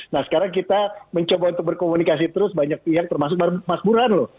nah sekarang kita mencoba untuk berkomunikasi terus banyak pihak termasuk mas burhan loh